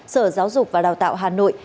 sở giáo dục và đào tạo hà nội